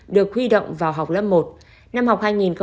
được huy động vào học sinh